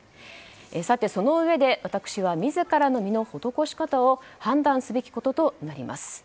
さて、そのうえで私は自らの身のほどこし方を判断すべきこととなります。